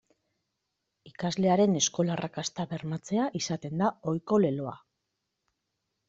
Ikaslearen eskola-arrakasta bermatzea izaten da ohiko leloa.